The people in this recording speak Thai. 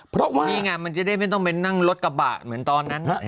เพราะว่านี่ไงมันจะได้ไม่ต้องไปนั่งรถกระบะเหมือนตอนนั้น